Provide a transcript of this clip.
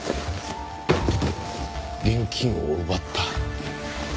現金を奪った。